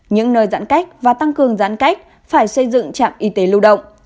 những nơi giãn cách và tăng cường giãn cách phải xây dựng trạm y tế lưu động